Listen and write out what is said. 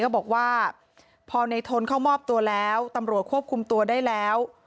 ก็บอกว่าพอในทนเข้ามอบตัวแล้วตำรวจควบคุมตัวได้แล้ว